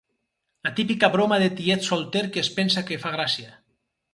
La típica broma de tiet solter que es pensa que fa gràcia.